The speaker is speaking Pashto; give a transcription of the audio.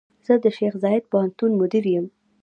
زۀ د شيخ زايد پوهنتون مدير يم.